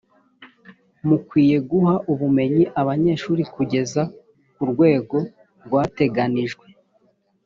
mukwiye guha ubumenyi abanyeshuri kugeza ku rwego rwateganijwe